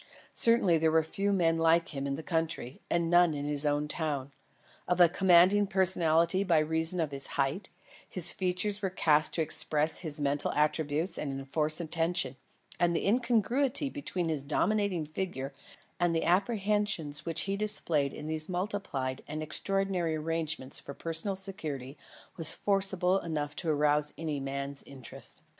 Certainly there were but few men like him in the country, and none in his own town. Of a commanding personality by reason of his height, his features were of a cast to express his mental attributes and enforce attention, and the incongruity between his dominating figure and the apprehensions which he displayed in these multiplied and extraordinary arrangements for personal security was forcible enough to arouse any man's interest.